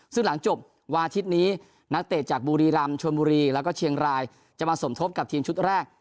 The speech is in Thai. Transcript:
ซึ่งหลังจบวันอาทิตย์นี้นักเตะจากบุรีรำชวนบุรีแล้วก็เชียงรายจะมาสมทบกับทีมชุดแรก